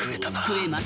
食えます。